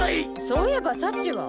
そういえば幸は？